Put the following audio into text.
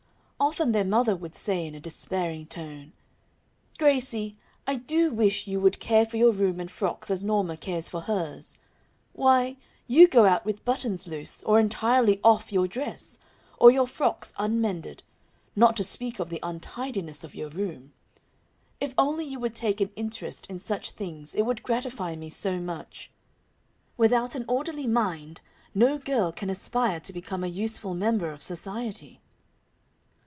Often their mother would say, in a despairing tone, "Gracie, I do wish you would care for your room and frocks as Norma cares for hers. Why, you go out with buttons loose, or entirely off your dress, or your frocks unmended, not to speak of the untidiness of your room. If only you would take an interest in such things it would gratify me so much. Without an orderly mind no girl can aspire to become a useful member of society."